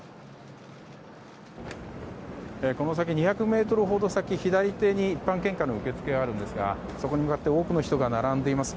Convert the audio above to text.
この先２００ｍほど先左手に一般献花の受付があるんですがそこに向かって多くの人が並んでいます。